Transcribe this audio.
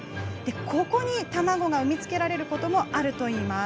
ここに卵が産み付けられることもあるといいます。